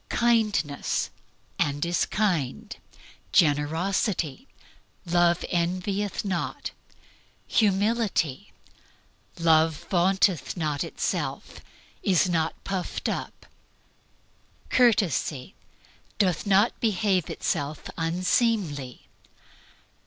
Kindness "And is kind." Generosity "Love envieth not." Humility "Love vaunteth not itself, is not puffed up." Courtesy "Doth not behave itself unseemly."